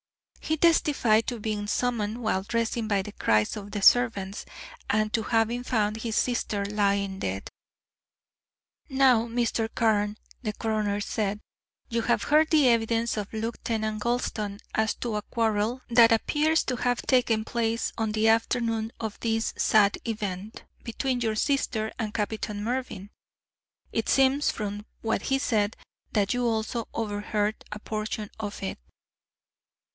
He testified to being summoned while dressing by the cries of the servants, and to having found his sister lying dead. "Now, Mr. Carne," the coroner said, "you have heard the evidence of Lieutenant Gulston as to a quarrel that appears to have taken place on the afternoon of this sad event, between your sister and Captain Mervyn. It seems from what he said that you also overheard a portion of it."